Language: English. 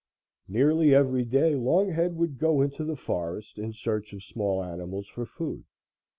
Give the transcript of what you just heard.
Nearly every day Longhead would go into the forest in search of small animals for food.